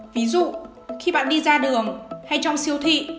ví dụ khi bạn đi ra đường hay trong siêu thị